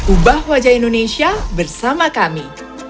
ubah wajah indonesia bersama kami